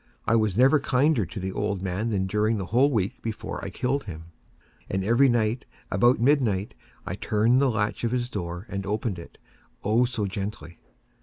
I was never kinder to the old man than during the whole week before I killed him. And every night, about midnight, I turned the latch of his door and opened it—oh, so gently!